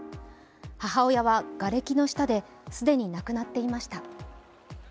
母親はがれきの下で既に亡くなっていました。